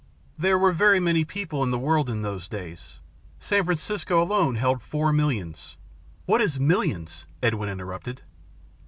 "There were very many people in the world in those days. San Francisco alone held four millions " "What is millions?" Edwin interrupted.